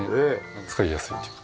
使いやすいというか。